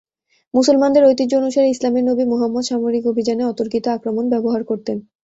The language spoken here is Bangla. মুসলমানদের ঐতিহ্য অনুসারে, ইসলামের নবী মুহাম্মাদ সামরিক অভিযানে অতর্কিত আক্রমণ ব্যবহার করতেন।